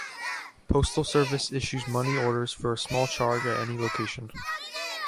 Postal Service issues money orders for a small charge at any location.